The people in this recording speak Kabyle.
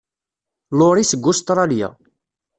Laurie seg Ustṛalya.